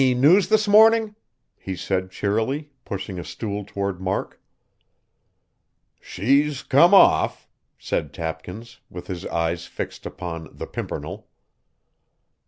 "Any news this morning?" he said cheerily, pushing a stool toward Mark. "She's come off," said Tapkins with his eyes fixed upon "The Pimpernel."